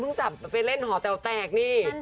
เพิ่งจะไปเล่นหอแตลแตกนี่